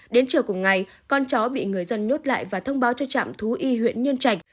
đến chiều cùng ngày con cháu bị người dân nhốt lại và thông báo cho trạm thú y huyện nhân trạch